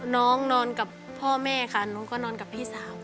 นอนกับพ่อแม่ค่ะหนูก็นอนกับพี่สาว